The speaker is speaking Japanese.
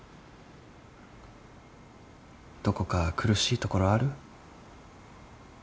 どこか苦しいところある？